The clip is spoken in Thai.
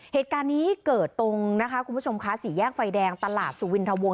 เหตุการณ์นี้เกิดตรงนะคะคุณผู้ชมคะสี่แยกไฟแดงตลาดสุวินทะวง